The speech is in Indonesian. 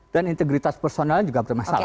dan integritas personalnya juga bermasalah